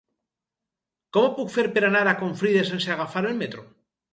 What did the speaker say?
Com ho puc fer per anar a Confrides sense agafar el metro?